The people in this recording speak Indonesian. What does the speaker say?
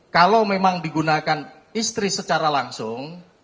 kalau memang digunakan istri secara langsung